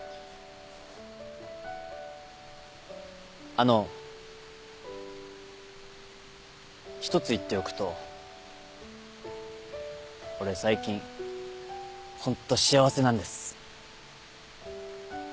あの一つ言っておくと俺最近ホント幸せなんです。